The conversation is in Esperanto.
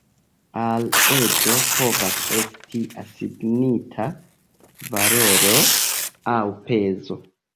Al eĝo povas esti asignita valoro aŭ pezo.